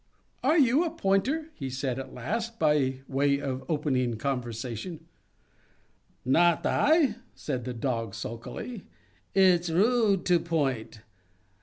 "Are you a pointer?" he said at last, by way of opening conversation. "Not I," said the Dog, sulkily. "It's rude to point.